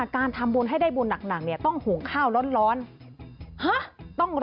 การทำบุญให้ได้บุญหนักต้องห่วงข้าวร้อน